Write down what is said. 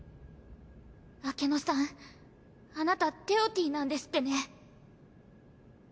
アケノさんあなたテオティなんですってね。